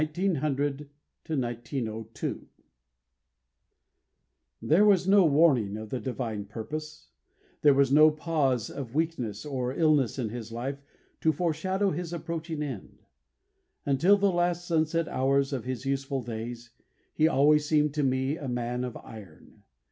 THE LAST MILESTONE 1900 1902 There was no warning of the divine purpose; there was no pause of weakness or illness in his life to foreshadow his approaching end. Until the last sunset hours of his useful days he always seemed to me a man of iron.